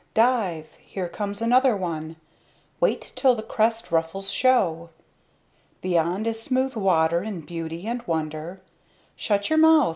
Dive! Here comes another one! Wait till the crest ruffles show! Beyond is smooth water in beauty and wonder Shut your mouth!